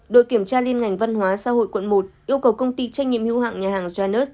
đội kiểm tra liên ngành văn hóa xã hội quận một yêu cầu công ty trách nhiệm hữu hạng nhà hàng janes